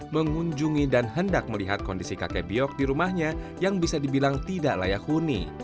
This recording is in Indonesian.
mengunjungi dan hendak melihat kondisi kakek biok di rumahnya yang bisa dibilang tidak layak huni